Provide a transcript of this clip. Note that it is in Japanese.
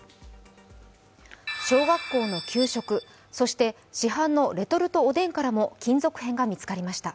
小学校の給食、そして、市販のレトルトおでんからも金属片が見つかりました。